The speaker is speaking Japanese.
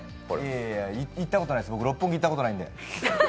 いやいや、行ったことないです、六本木行ったことないんで。